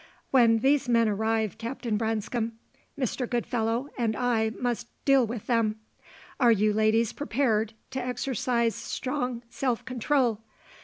When these men arrive, Captain Branscome, Mr. Goodfellow, and I must deal with them. Are you ladies prepared to exercise strong self control?